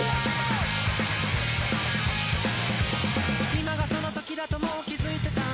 「今がその時だともう気付いてたんだ」